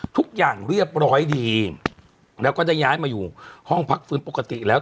ทุกอย่างเรียบร้อยดีแล้วก็ได้ย้ายมาอยู่ห้องพักฟื้นปกติแล้ว